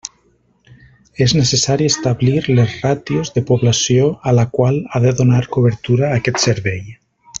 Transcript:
És necessari establir les ràtios de població a la qual ha de donar cobertura aquest servei.